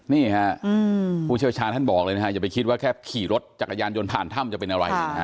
นี่ฮะผู้เชี่ยวชาญท่านบอกเลยนะฮะอย่าไปคิดว่าแค่ขี่รถจักรยานยนต์ผ่านถ้ำจะเป็นอะไร